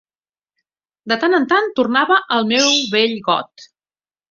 De tant en tant tornava al meu vell got.